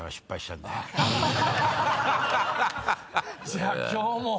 じゃあ今日も。